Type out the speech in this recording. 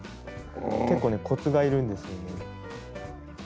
結構ねコツがいるんですよね。